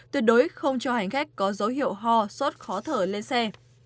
tuyệt đối không cho hành khách có dấu hiệu ho sốt khó thở lên xe